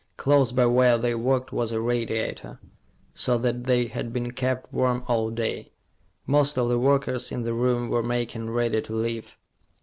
Close by where they worked was a radiator, so that they had been kept warm all day. Most of the workers in the room were making ready to leave.